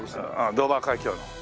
ドーバー海峡の。